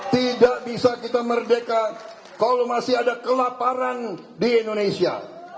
tidak bisa kita merdeka kalau masih ada kelaparan di indonesia